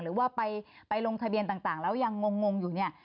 หรือว่าไปลงทะเบียนต่างแล้วยังงงอยู่เนี่ย